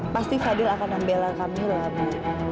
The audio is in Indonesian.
pasti fadil akan membela kamila bu